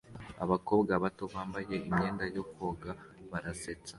abakobwa bato bambaye imyenda yo koga barasetsa